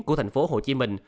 của thành phố hồ chí minh